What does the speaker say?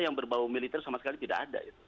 yang berbau militer sama sekali tidak ada